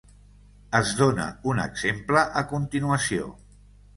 Es dóna un exemple a continuació.